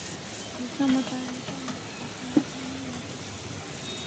دوسرا متعلقہ شناخت نہیں ہوا تھا